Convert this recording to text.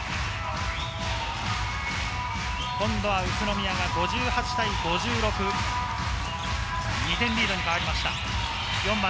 今度は宇都宮が５８対５６、２点リードに変わりました。